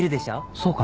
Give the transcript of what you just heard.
そうかな。